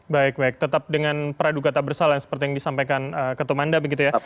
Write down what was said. baik baik tetap dengan peradu kata bersalah seperti yang disampaikan ketua umum anda begitu ya